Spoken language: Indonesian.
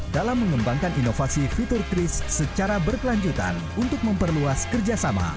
dalam mengembangkan inovasi fitur kris secara berkelanjutan untuk memperluas kerjasama